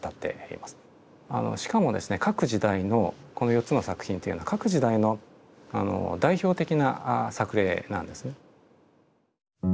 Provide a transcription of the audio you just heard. しかもですね各時代のこの４つの作品というのは各時代の代表的な作例なんですね。